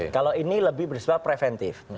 kalau ini lebih bersifat preventif